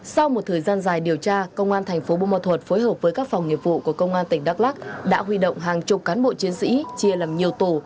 sau một thời gian dài điều tra công an thành phố bô ma thuật phối hợp với các phòng nghiệp vụ của công an tỉnh đắk lắc đã huy động hàng chục cán bộ chiến sĩ chia làm nhiều tổ